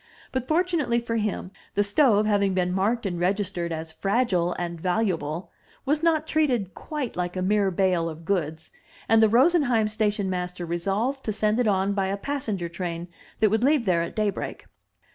But, fortunately for him, the stove, having been marked and registered as "fragile and valuable," was not treated quite like a mere bale of goods, and the Rosen heim station master resolved to send it on by a passenger train that would leave there at daybreak.